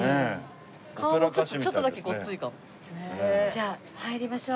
じゃあ入りましょう。